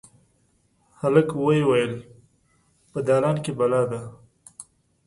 هلک ویې ویل: «په دالان کې بلا ده.»